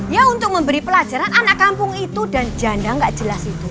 ya untuk memberi pelajaran anak kampung itu dan janda nggak jelas itu